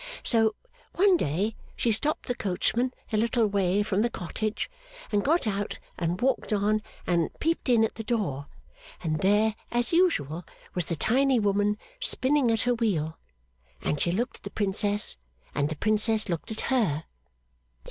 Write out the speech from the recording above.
So, one day she stopped the coachman a little way from the cottage, and got out and walked on and peeped in at the door, and there, as usual, was the tiny woman spinning at her wheel, and she looked at the Princess, and the Princess looked at her.